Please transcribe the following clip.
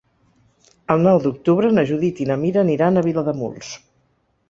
El nou d'octubre na Judit i na Mira aniran a Vilademuls.